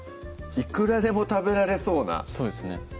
いくらでも食べられそうなそうですね